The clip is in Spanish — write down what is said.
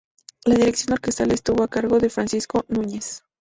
La dirección orquestal estuvo a cargo de Francisco Núñez.